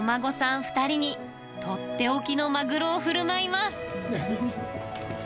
２人に取って置きのマグロをふるまいます。